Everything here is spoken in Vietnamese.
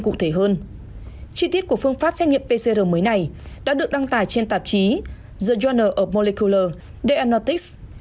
chí tiết của phương pháp xét nghiệm pcr mới này đã được đăng tải trên tạp chí the journal of molecular diagnostics